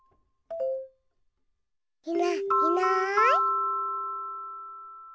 いないいない。